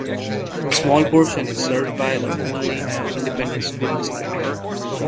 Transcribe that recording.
A small portion is served by the Olney Independent School District.